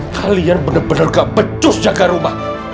kalian bener bener gak becus jaga rumah